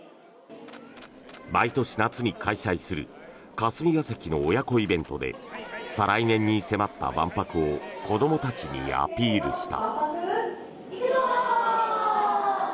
毎年夏に開催する霞が関の親子イベントで再来年に迫った万博を子どもたちにアピールした。